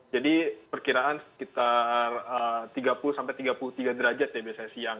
jadi perkiraan sekitar tiga puluh tiga puluh tiga derajat ya biasanya siang